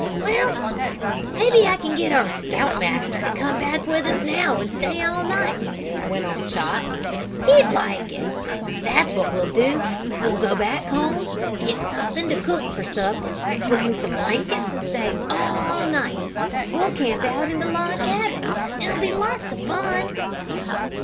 "Well, maybe I can get our Scout Master to come back with us now and stay all night," went on Chot. "He'd like it. That's what we'll do! We'll go back home, get something to cook for supper, bring some blankets and stay all night. We'll camp out in the log cabin. It'll be lots of fun!"